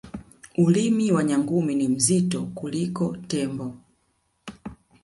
ulimi wa nyangumi ni mzito kuliko tembo